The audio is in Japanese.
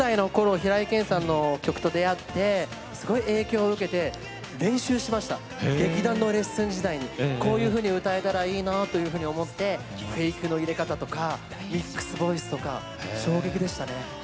平井堅さんの曲と出会ってすごい影響受けて練習しました劇団のレッスン時代にこういうふうに歌えたらいいなと思ってフェイクの入れ方ミックスボイス、衝撃でした。